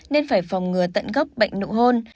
nên phải phòng ngừa tận gốc bệnh nụ hôn